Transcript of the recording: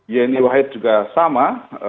yeni wahid juga sama